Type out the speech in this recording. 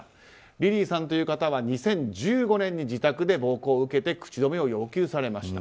リリーさんという方は２０１５年に自宅で暴行を受けて口止めを要求されました。